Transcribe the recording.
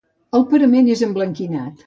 El parament és emblanquinat.